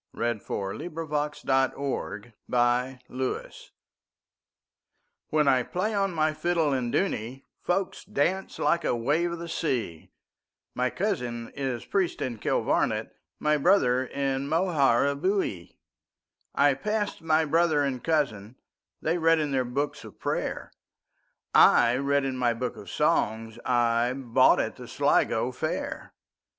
1899. 11. The Fiddler of Dooney WHEN I play on my fiddle in Dooney, Folk dance like a wave of the sea; My cousin is priest in Kilvarnet, My brother in Moharabuiee.I passed my brother and cousin:They read in their books of prayer;I read in my book of songsI bought at the Sligo fair.